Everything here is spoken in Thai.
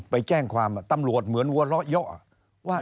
ไปแจ้งความตำรวจเหมือนวัลเยอะ